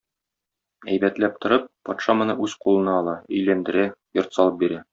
Әйбәтләп торып, патша моны үз кулына ала, өйләндерә, йорт салып бирә.